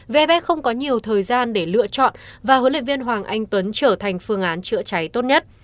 vb không có nhiều thời gian để lựa chọn và huấn luyện viên hoàng anh tuấn trở thành phương án chữa cháy tốt nhất